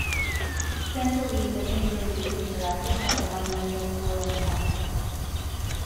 Centrally the main road is interrupted by the monumental forum complex.